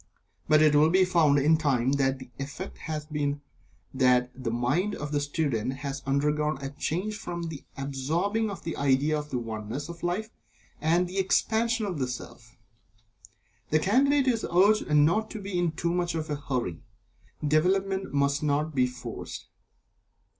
But it will be found, in time, that the effect has been that the mind of the student has undergone a change from the absorbing of the idea of the Oneness of Life, and the Expansion of the Self. The Candidate is urged not to be in too much of a hurry. Development must not be forced.